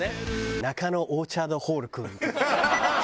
「中野オーチャードホールくん」とか。